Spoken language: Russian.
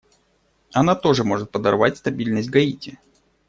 Она тоже может подорвать стабильность Гаити.